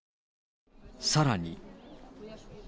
さらに。